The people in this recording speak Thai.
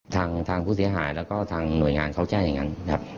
ทางทางผู้เสียหายและทางหน่วยงานเค้าแจ้งกันครับ